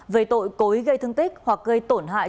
về tội cối gây thương tích hoặc gây tổn hại